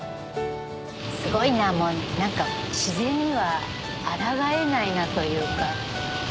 すごいな自然にはあらがえないなというか。